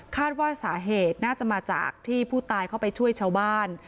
ว่าสาเหตุน่าจะมาจากที่ผู้ตายเข้าไปช่วยชาวบ้าน